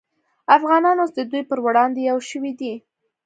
افغانان اوس د دوی پر وړاندې یو شوي دي